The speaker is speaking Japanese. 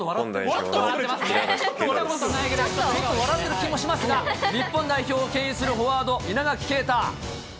ちょっと笑ってる気もしますが、日本代表をけん引するフォワード、稲垣啓太。